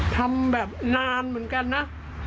ทำแบบนานเหมือนกันนะ